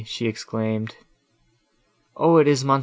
she exclaimed. "O! it is Mons.